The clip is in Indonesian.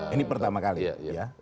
ini pertama kali ya